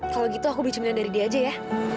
kalau gitu aku beli cemilan dari dia aja ya